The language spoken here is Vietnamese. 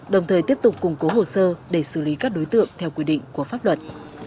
đồng thời tiếp tục củng cố hồ sơ để xử lý các đối tượng theo quy định của pháp luật